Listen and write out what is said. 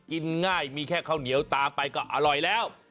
กินง่ายมีแค่ข้าวเหนียวตามไปก็อร่อยแล้ว